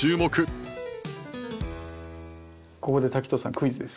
ここで滝藤さんにクイズです。